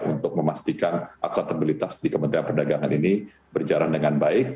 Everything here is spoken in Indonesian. untuk memastikan akuatabilitas di kementerian perdagangan ini berjalan dengan baik